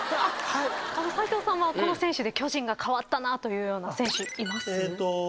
斎藤さんはこの選手で巨人が変わったなというような選手います？